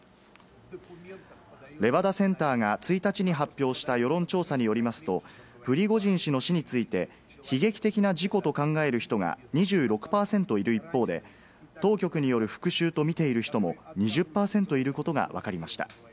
レバダ・センターが１日に発表した世論調査によりますと、プリゴジン氏の死について悲劇的な事故と考える人が２６％いる一方で、当局による復讐と見ている人も２０％いることがわかりました。